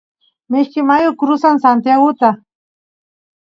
mishki mayu crusan santiaguta